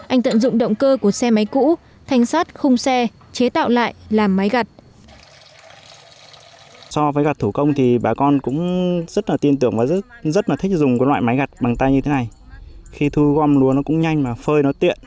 anh tận dụng động cơ của xe máy cũ thanh sát khung xe chế tạo lại làm máy gặt